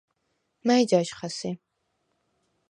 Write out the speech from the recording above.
მა̈ჲ ჯაჟხა სი?